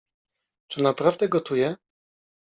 Czy naprawdę gotuje?